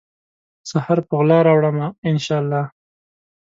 سحر په غلا راوړمه ، ان شا الله